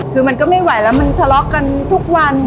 คือมันก็ไม่ไหวแล้วมันทะเลาะกันทุกวัน